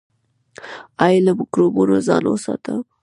ایا له مکروبونو ځان وساتم؟